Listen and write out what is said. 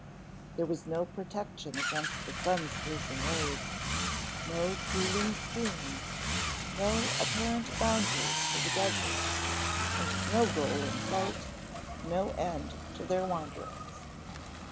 There was no protection against the sun's piercing rays, no cooling stream, no apparent boundaries to the desert, and no goal in sight, no end to their wanderings.